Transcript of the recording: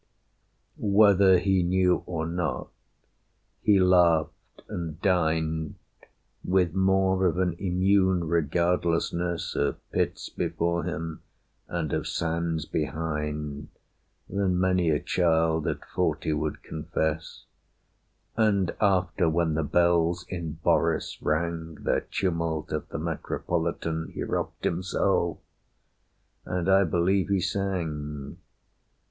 Whether he knew or not, he laughed and dined With more of an immune regardlessness Of pits before him and of sands behind Than many a child at forty would confess; And after, when the bells in 'Boris' rang Their tumult at the Metropolitan, He rocked himself, and I believe he sang.